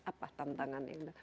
apa tantangan ini